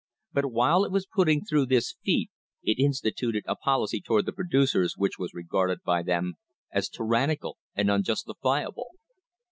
But while it was putting through this feat it insti tuted a policy toward the producers which was regarded by them as tyrannical and unjustifiable.